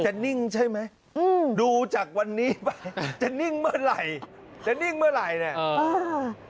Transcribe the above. นิ่งใช่ไหมอืมดูจากวันนี้ไปจะนิ่งเมื่อไหร่จะนิ่งเมื่อไหร่เนี่ย